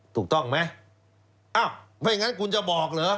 ถูกต้องไหมอ้าวไม่งั้นคุณจะบอกเหรอ